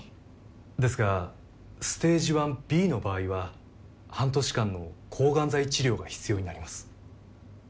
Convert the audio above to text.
ですがステージⅠＢの場合は半年間の抗がん剤治療が必要になります。